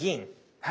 はい。